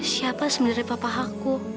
siapa sebenernya papa hau